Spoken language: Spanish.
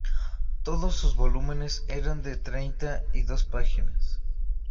Todos sus volúmenes eran de treinta y dos páginas.